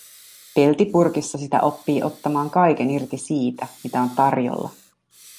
Peltipurkissa sitä oppii ottamaan kaiken irti siitä, mitä on tarjolla.